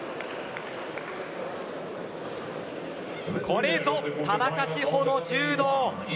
これぞ田中志歩の柔道。